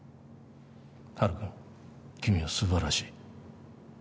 ハル君、君はすばらしい。